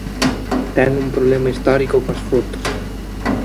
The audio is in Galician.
¡Ten un problema histórico coas fotos!